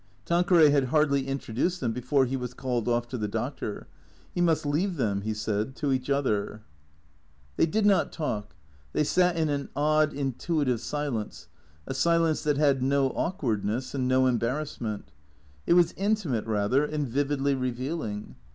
Tanqueray had hardly introduced them before he was called off to the doctor. He must leave them, he said, to each other. They did not talk. They sat in an odd, intuitive silence, a silence that had no awkwardness and no embarrassment. It was intimate, rather, and vividly revealing.